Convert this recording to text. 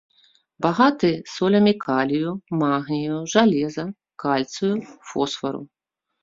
Багаты солямі калію, магнію, жалеза, кальцыю, фосфару.